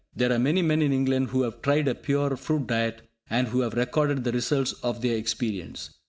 There are many men in England who have tried a pure fruit diet, and who have recorded the results of their experience.